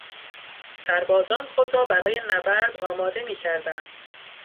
سربازان خود را برای نبرد آماده میکردند.